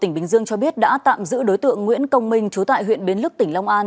tỉnh bình dương cho biết đã tạm giữ đối tượng nguyễn công minh trú tại huyện bến lức tỉnh long an